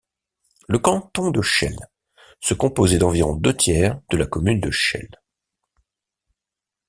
Le canton de Chelles se composait d'environ deux tiers de la commune de Chelles.